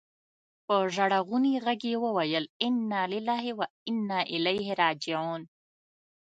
په ژړغوني ږغ يې وويل انا لله و انا اليه راجعون.